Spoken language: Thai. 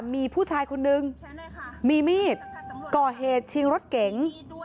มีผู้ชายคนนึงมีมีดก่อเหตุชิงรถเก๋ง